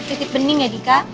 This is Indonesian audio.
titip bening ya dika